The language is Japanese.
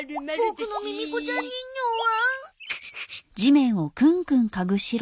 ボクのミミ子ちゃん人形は？